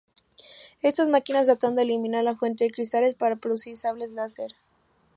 Estas máquinas trataron de eliminar la fuente de cristales para producir sables láser.